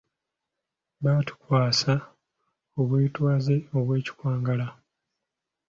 Batukwasa obwetwaze obw'ekikwangala.